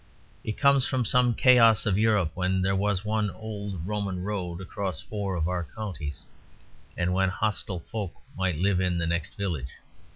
It comes from some chaos of Europe, when there was one old Roman road across four of our counties; and when hostile "folk" might live in the next village.